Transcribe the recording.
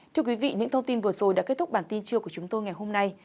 thưa quý vị những thông tin vừa rồi đã kết thúc bản tin trưa của chúng tôi ngày hôm nay